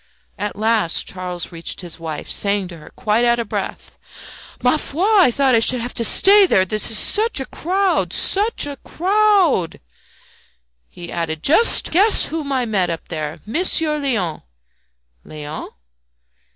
At last Charles reached his wife, saying to her, quite out of breath "Ma foi! I thought I should have had to stay there. There is such a crowd SUCH a crowd!" He added "Just guess whom I met up there! Monsieur Léon!" "Léon?"